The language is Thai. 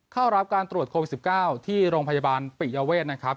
เข้ารับการตรวจโควิด๑๙ที่โรงพยาบาลปิยเวทนะครับ